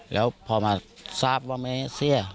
แล้วพอมาทราบว่าแม่เสี้ย